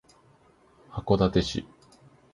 函館市